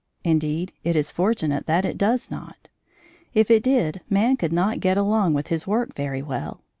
Indeed, it is fortunate that it does not. If it did, man could not get along with his work very well.